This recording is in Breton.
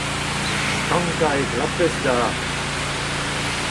stankañ e glapez da